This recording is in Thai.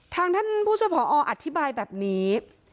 ท่านผู้ช่วยผออธิบายแบบนี้